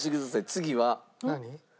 次は何？